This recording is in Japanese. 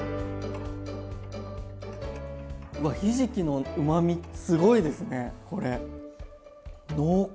わっひじきのうまみすごいですねこれ。濃厚！